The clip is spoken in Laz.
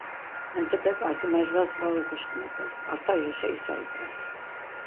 Entepek artimajvas var oxuşkumert̆es, k̆arta yerişa isa it̆ers.